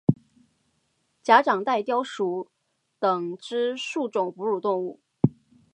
假掌袋貂属等之数种哺乳动物。